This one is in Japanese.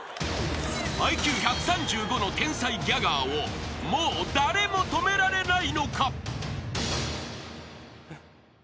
［ＩＱ１３５の天才ギャガーをもう誰も止められないのか？］